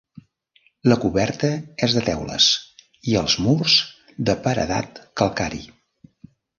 La coberta és de teules i els murs de paredat calcari.